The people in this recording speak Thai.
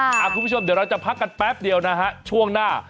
คุณผู้ชมเดี๋ยวเราจะพักกันแป๊บเดียวนะฮะช่วงหน้า